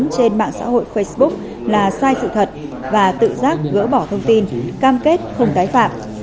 trên mạng xã hội facebook là sai sự thật và tự giác gỡ bỏ thông tin cam kết không tái phạm